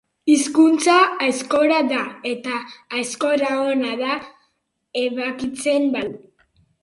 Hizkuntza aizkora da, eta aizkora ona da ebakitzen badu.